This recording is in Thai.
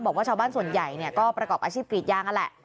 บอกว่าชาวบ้านส่วนใหญ่ก็ประกอบอาชีพกรีดยางนั่นแหละ